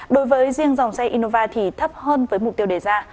đối với riêng dòng xe innova thì thấp hơn với mục tiêu đề ra